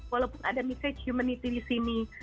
walaupun ada message humanity di sini